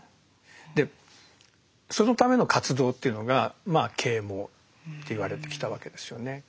でそのための活動というのが啓蒙っていわれてきたわけですよね。